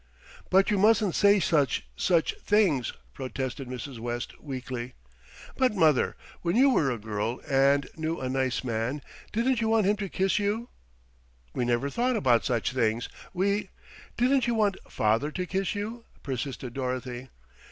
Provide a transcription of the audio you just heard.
"But you mustn't say such such things," protested Mrs. West weakly. "But, mother, when you were a girl and knew a nice man, didn't you want him to kiss you?" "We never thought about such things. We " "Didn't you want father to kiss you?" persisted Dorothy.